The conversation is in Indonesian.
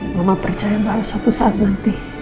mama percaya bahwa suatu saat nanti